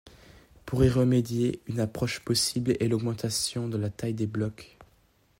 Pour y remédier, une approche possible est l'augmentation de la taille des blocs.